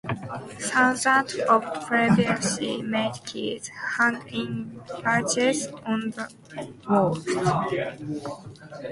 Thousands of previously made keys hang in bunches on the walls.